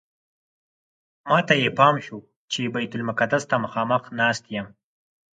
ماته یې پام شو چې بیت المقدس ته مخامخ ناست یم.